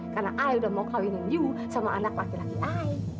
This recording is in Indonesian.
karena ayah udah mau kawinin you sama anak pake laki laki ayah